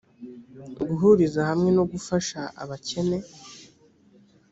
guhuriza hamwe no gufasha abakene